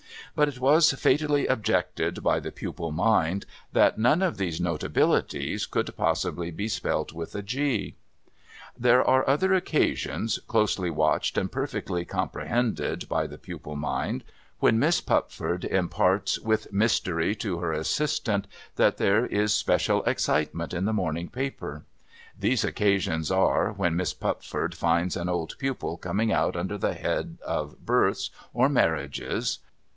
But, it was fatally objected by the pupil mind, that none of those notabilities could possibly be spelt with a G. There are other occasions, closely watched and perfectly com prehended by the pupil mind, when Miss Pupford imparts with mystery to her assistant that there is special excitement in the morning paper. These occasions are, when Miss Pupford finds an old pupil coming out under the head of Births, or Marriages.